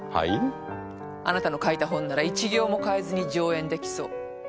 あなたの書いたホンなら一行も変えずに上演できそう。